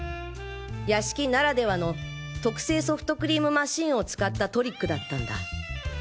屋敷ならではの特製ソフトクリームマシンを使ったトリックだったんだ。